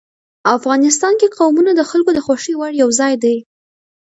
افغانستان کې قومونه د خلکو د خوښې وړ یو ځای دی.